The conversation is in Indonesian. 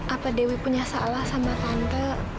apa dewi punya salah sama tante